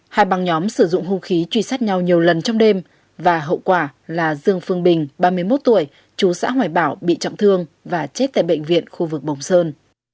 hai băng nhóm sử dụng hung khí truy sát nhau nhiều lần trong đêm và hậu quả là dương phương bình ba mươi một tuổi chú xã hoài bảo bị trọng thương và chết tại bệnh viện khu vực bồng sơn